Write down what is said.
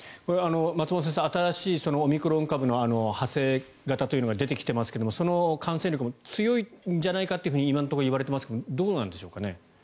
松本先生新しいオミクロン株の派生型というのが出てきていますがその感染力も強いんじゃないかと今のところ言われていますがどうなんでしょうか。